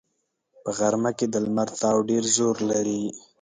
په غرمه کې د لمر تاو ډېر زور لري